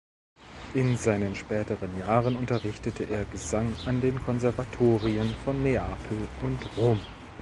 In seinen späteren Jahren unterrichtete er Gesang an den Konservatorien von Neapel und Rom.